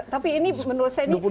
tapi ini menurut saya ini